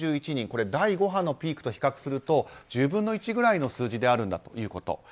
第５波のピークと比較すると１０分の１ぐらいの数字であるということ。